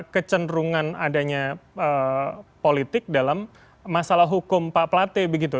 kecenderungan adanya politik dalam masalah hukum pak plate begitu